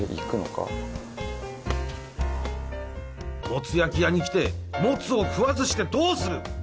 もつ焼き屋に来てもつを食わずしてどうする！